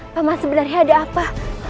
paman sebenarnya ada apa